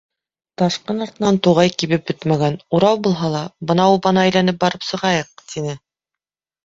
Ташҡын артынан туғай кибеп бөтмәгән, урау булһа ла, бынау убаны әйләнеп барып сығайыҡ, - тине.